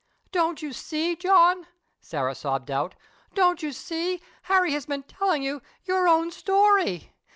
"Don't you see, John," Sarah sobbed out, "don't you see Harry has been telling you your own story?